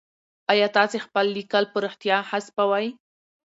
آيا تاسي خپل ليکل په رښتيا حذفوئ ؟